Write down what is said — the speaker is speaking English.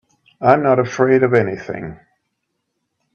I'm not afraid of anything.